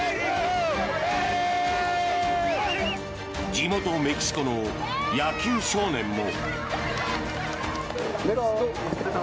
地元メキシコの野球少年も。